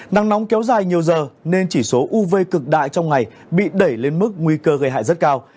nắng nóng kéo dài nhiều giờ nên chỉ số uv cực đại trong ngày bị đẩy lên mức nguy cơ gây hại rất cao